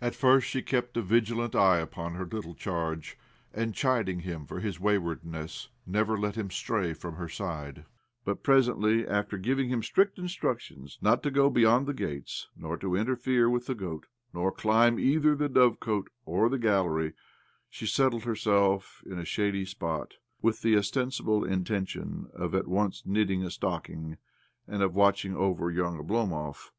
At first she kept a vigilant eye upon her little charge, and, chiding him for his waywardness, never let him stray from her side ; but presently, after giving him strict instructions not to go beyond the gates, nor to interfere with the goat, nor to climb either the dovecote or the gallery, she settled herself in a shady spot, with the ostensible intention of at once knitting a stocking and of watching over young Oblomov.